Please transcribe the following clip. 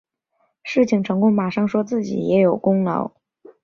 事情成功马上说自己也有功劳